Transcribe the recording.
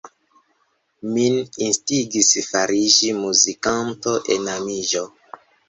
Min instigis fariĝi muzikiganto enamiĝo.